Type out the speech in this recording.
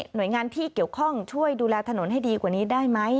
หน่วยงานที่เกี่ยวข้องช่วยดูแลถนนให้ดีกว่านี้ได้ไหม